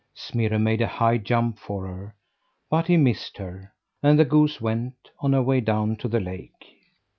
Smirre made a high jump for her but he missed her; and the goose went on her way down to the lake.